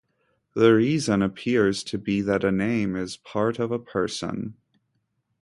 The reason appears to be that a name is part of a person.